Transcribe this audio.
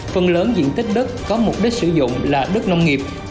phần lớn diện tích đất có mục đích sử dụng là đất nông nghiệp